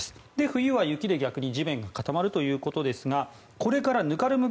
冬は逆に、雪で地面が固まるということですがこれからぬかるむ